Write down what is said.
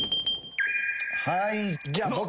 はいじゃあ僕。